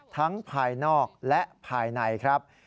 ภายนอกและภายในครับ